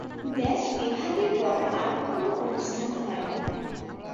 দেশ বিভাগের পর আর কোন অনুষ্ঠান হয়নি।